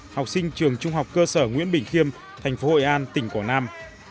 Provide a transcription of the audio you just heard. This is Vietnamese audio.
học sinh trường trung học cơ sở nguyễn bình khiêm tp hội an tỉnh quảng nam